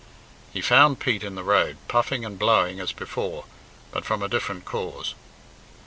He found Pete in the road, puffing and blowing as before, but from a different cause.